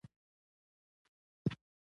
چې ښځه فطري کمزورې پيدا شوې ده